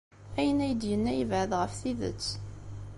Ayen ay d-yenna yebɛed ɣef tidet.